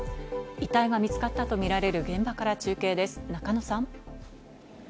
遺体が見つかったとみられる現場から中継です、中野さん。